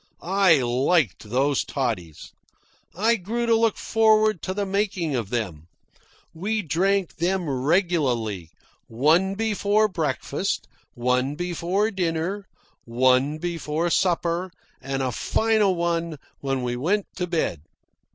I liked those toddies. I grew to look forward to the making of them. We drank them regularly, one before breakfast, one before dinner, one before supper, and a final one when we went to bed.